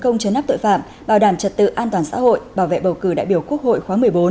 công chấn áp tội phạm bảo đảm trật tự an toàn xã hội bảo vệ bầu cử đại biểu quốc hội khóa một mươi bốn